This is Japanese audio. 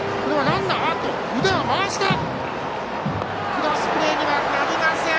クロスプレーにはなりません！